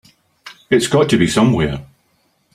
It's got to be somewhere.